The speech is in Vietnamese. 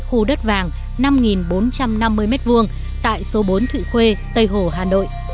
khu đất vàng năm bốn trăm năm mươi m hai tại số bốn thụy khuê tây hồ hà nội